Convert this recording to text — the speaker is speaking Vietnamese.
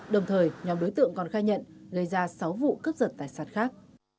đồng thời nhóm đối tượng còn khai nhận gây ra sáu vụ cướp giật tài sản khác